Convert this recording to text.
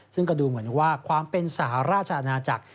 ซึ่งก็ดูเหมือนว่าความเป็นสหราชอาณาจักร